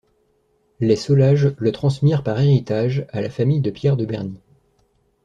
Les Solages le transmirent par héritage à la famille de Pierre de Bernis.